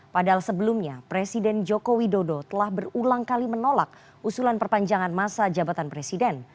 padahal sebelumnya presiden joko widodo telah berulang kali menolak usulan perpanjangan masa jabatan presiden